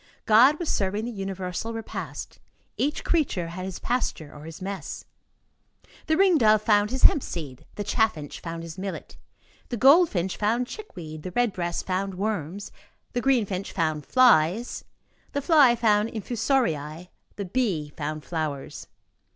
God was serving the universal repast. Each creature had his pasture or his mess. The ring dove found his hemp seed, the chaffinch found his millet, the goldfinch found chickweed, the red breast found worms, the green finch found flies, the fly found infusoriæ, the bee found flowers.